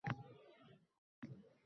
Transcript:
Ie, bu nima qilganingiz